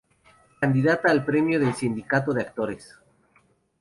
Candidata al Premio del Sindicato de Actores.